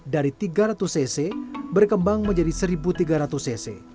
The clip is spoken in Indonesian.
dari tiga ratus cc berkembang menjadi satu tiga ratus cc